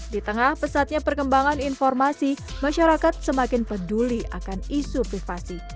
di tengah pesatnya perkembangan informasi masyarakat semakin peduli akan isu privasi